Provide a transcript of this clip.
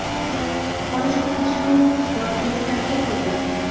পরে সব কিছু ধোয়াধুয়িটা কে করবে?